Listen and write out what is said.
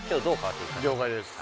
了解です。